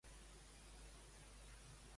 Com han reaccionat altres alcaldes?